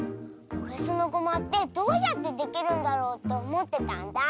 おへそのごまってどうやってできるんだろうっておもってたんだ。